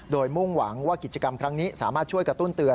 โดยมุ่งหวังว่ากิจกรรมครั้งนี้สามารถช่วยกระตุ้นเตือน